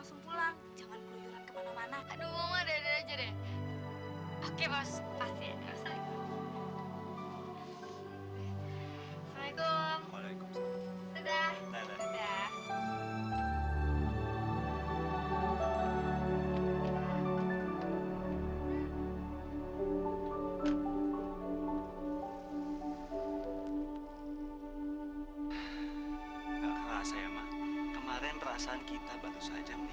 sekarang lebih anak gadis